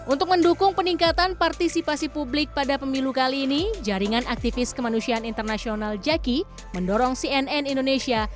untuk mendukung peningkatan partisipasi publik pada pemilu kali ini jaringan aktivis kemanusiaan internasional jaki mendorong cnn indonesia